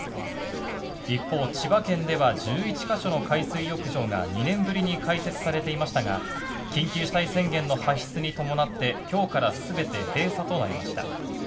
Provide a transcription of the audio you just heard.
一方、千葉県では１１か所の海水浴場が２年ぶりに開設されていましたが、緊急事態宣言の発出に伴って今日から全て閉鎖となりました。